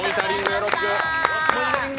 よろしく。